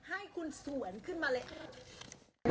ให้คุณสวนขึ้นมาเลย